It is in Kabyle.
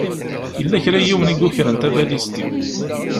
Yella kra n yiwen i yukren tabalizt-iw.